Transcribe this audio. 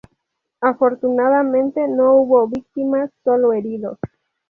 Afortunadamente no hubo víctimas, sólo heridos.